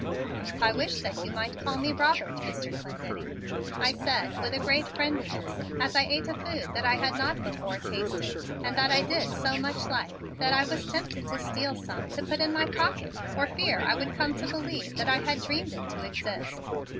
"I wish that you might call me Robert, Mr. Clendenning," I said with a great friendliness as I ate a food that I had not before tasted and that I did so much like that I was tempted to steal some to put in my pocket for fear I would come to believe that I had dreamed it to exist.